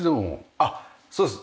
あっそうです。